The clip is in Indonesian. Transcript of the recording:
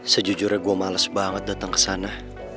sejujurnya gua males banget datang kesana